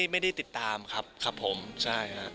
ไม่ได้ติดตามครับครับผมใช่ครับ